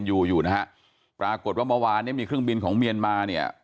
อยู่อยู่นะฮะปรากฏว่าเมื่อวานเนี่ยมีเครื่องบินของเมียนมาเนี่ย